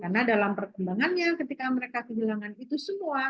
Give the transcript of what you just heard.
karena dalam perkembangannya ketika mereka kehilangan itu semua